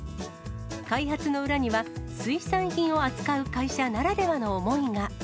開発の裏には、水産品を扱う会社ならではの思いが。